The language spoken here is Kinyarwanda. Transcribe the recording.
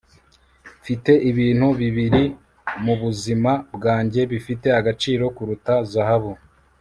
mfite ibintu bibiri mubuzima bwanjye bifite agaciro kuruta zahabu